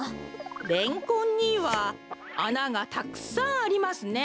レンコンにはあながたくさんありますね。